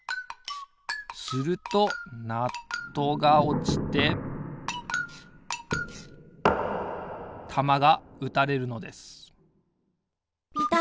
するとナットがおちてたまが打たれるのです